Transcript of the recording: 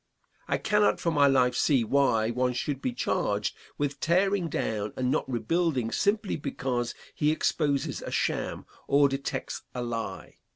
I cannot for my life see why one should be charged with tearing down and not rebuilding simply because he exposes a sham, or detects a lie.